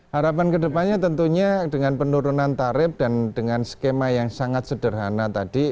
harapan kedepannya tentunya dengan penurunan tarif dan dengan skema yang sangat sederhana tadi